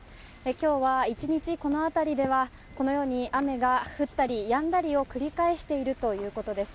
今日は１日、この辺りではこのように雨が降ったりやんだりを繰り返しているということです。